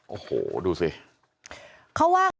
โอ้โหดูสิเขาว่า